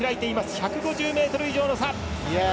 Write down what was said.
１５０ｍ以上の差！